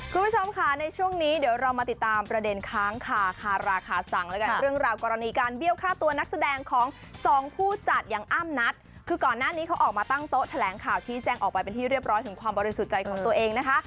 คุณผู้ชมค่ะในช่วงนี้เดี๋ยวเรามาติดตามประเด็นค้างคาคาราคาสั่งแล้วกันเรื่องราวกรณีการเบี้ยวฆ่าตัวนักแสดงของสองผู้จัดอย่างอ้ำนัดคือก่อนหน้านี้เขาออกมาตั้งโต๊ะแถลงข่าวชี้แจงออกไปเป็นที่เรียบร้อยถึงความบริสุทธิ์ใจของตัวเองนะคะ